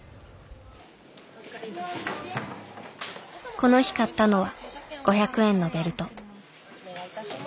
この日買ったのは５００円のベルト。